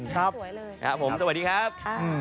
ครับสวัสดีครับ